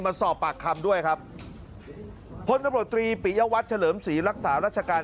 มาสอบปากคำด้วยครับพลตำรวจตรีปิยวัตรเฉลิมศรีรักษารัชการ